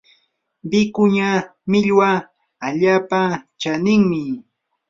wikuña millwa allaapa chaninmi.